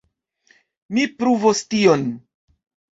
Mi pruvos tion.